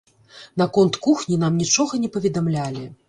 Наконт кухні нам нічога не паведамлялі.